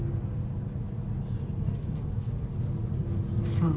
そう。